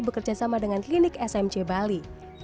bekerja sama dengan klinik smc bali